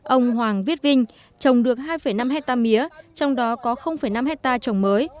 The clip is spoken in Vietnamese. ông hoàng viết vinh trồng được hai năm hectare mía trong đó có năm hectare trồng mới